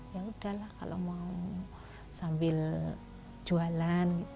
ya udahlah kalau mau sambil jualan